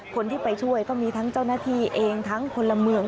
คนที่ไปช่วยก็มีทั้งเจ้าหน้าที่เองทั้งคนละเมือง